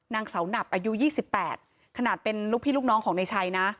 นางเสาหนับอายุยี่สิบแปดขนาดเป็นลูกพี่ลูกน้องของในชัยนะ